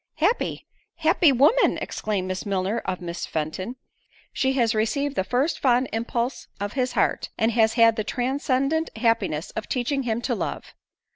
"Happy! happy woman!" exclaimed Miss Milner of Miss Fenton; "she has received the first fond impulse of his heart, and has had the transcendent happiness of teaching him to love!"